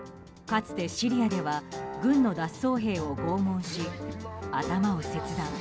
かつてシリアでは、軍の脱走兵を拷問し、頭を切断。